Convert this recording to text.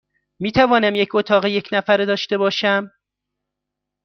می توانم یک اتاق یک نفره داشته باشم؟